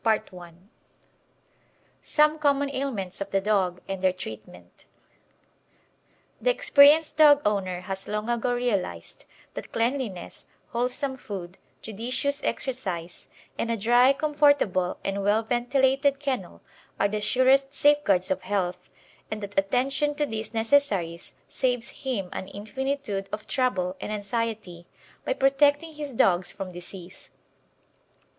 CHAPTER LI SOME COMMON AILMENTS OF THE DOG AND THEIR TREATMENT The experienced dog owner has long ago realised that cleanliness, wholesome food, judicious exercise and a dry, comfortable and well ventilated kennel are the surest safeguards of health, and that attention to these necessaries saves him an infinitude of trouble and anxiety by protecting his dogs from disease.